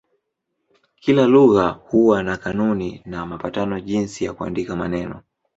Kila lugha huwa na kanuni na mapatano jinsi ya kuandika maneno.